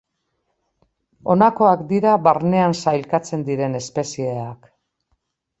Honakoak dira barnean sailkatzen diren espezieak.